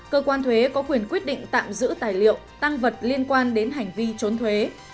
cơ quan thuế có quyền quyết định tạm giữ tài liệu tăng vật liên quan đến hành vi trốn thuế